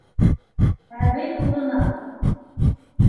Әбей улынан: